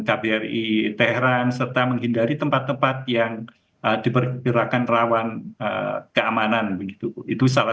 kbri teheran serta menghindari tempat tempat yang diperkirakan rawan keamanan begitu itu salah